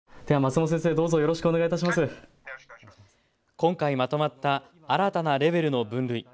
今回まとまった新たなレベルの分類。